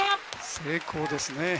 成功ですね。